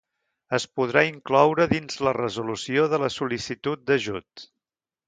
Es podrà incloure dins la resolució de la sol·licitud d'ajut.